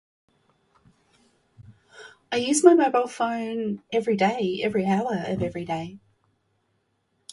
I use my mobile phone every day, every hour of every day.